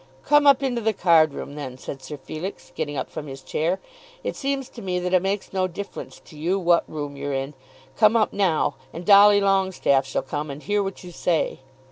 "Come up into the card room, then," said Sir Felix, getting up from his chair. "It seems to me that it makes no difference to you, what room you're in. Come up, now; and Dolly Longestaffe shall come and hear what you say."